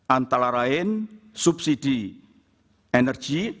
antara lain subsidi energi